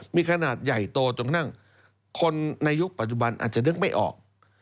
มีขนาดใหญ่โตจนกระทั่งคนในยุคปัจจุบันอาจจะนึกไม่ออก